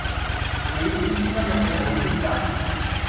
你點知今日會好天架